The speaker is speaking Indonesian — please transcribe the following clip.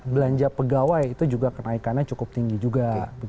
belanja pegawai itu juga kenaikannya cukup tinggi juga